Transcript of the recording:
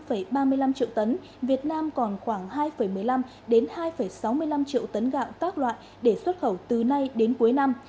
trừ số gạo đã xuất khẩu năm ba mươi năm triệu tấn việt nam còn khoảng hai một mươi năm hai sáu mươi năm triệu tấn gạo tác loại để xuất khẩu từ nay đến cuối năm